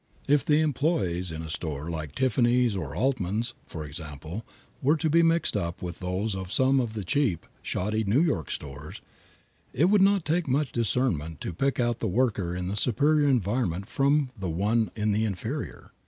If the employees in a store like Tiffany's or Altman's, for example, were to be mixed up with those of some of the cheap, shoddy New York stores, it would not take much discernment to pick out the worker in the superior environment from the one in the inferior.